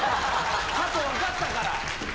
ハト分かったから。